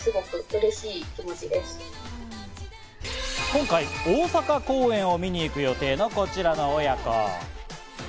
今回、大阪公演を見に行く予定のこちらの親子。